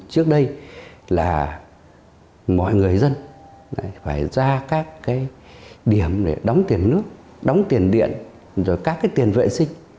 trước đây là mọi người dân phải ra các điểm để đóng tiền nước đóng tiền điện rồi các tiền vệ sinh